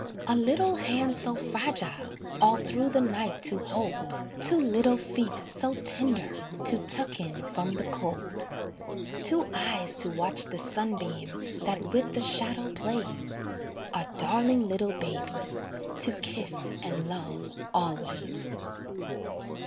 A little hand so fragile All through the night to hold Two little feet so tender To tuck in from the cold. Two eyes to watch the sunbeam That with the shadow plays A darling little baby To kiss and love always.